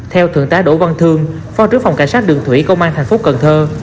theo thượng tá đỗ văn thương phó trưởng phòng cảnh sát đường thủy công an thành phố cần thơ